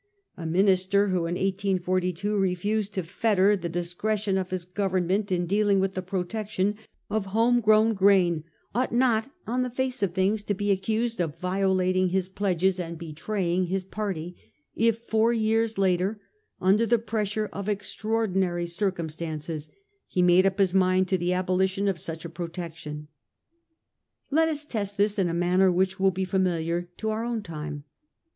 A minister who in 1842 refused to fetter the discretion of his Government in dealing with the protection of home grown grain ought not on the face of things to be accused of violating his pledges and betraying his party, if four years later, under the pressure of extraordinary circumstances, he made up his mind to the abolition of such a pro tection. Let us test this in a manner that will be familiar to our own time.